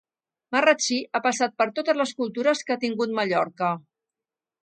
Marratxí ha passat per totes les cultures que ha tingut Mallorca.